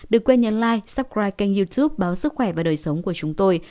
đừng quên nhấn like subscribe kênh youtube báo sức khỏe và đời sống của chúng tôi